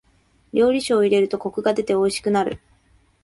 料理酒を入れるとコクが出ておいしくなる。